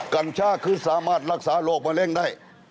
กัญชาคือสามารถรักษาโรคมะเร็งได้